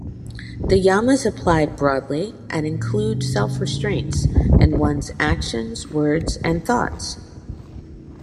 The Yamas apply broadly and include self-restraints in one's actions, words and thoughts.